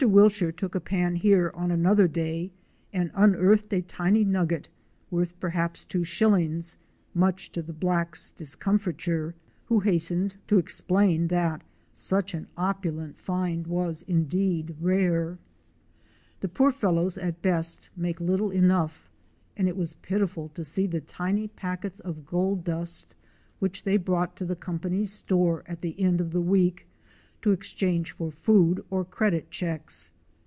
Wilshire took a pan here on another day and unearthed a tiny nugget, worth perhaps two shillings, much to the blacks' discom fiture, who hastened to explain that such an opulent A GOLD MINE IN THE WILDERNESS. 187 find was indeed rare. The poor fellows at best make little enough and it was pitiful to see the tiny packets of gold dust which they brought to the company's store at the end of the week to exchange for food or credit checks.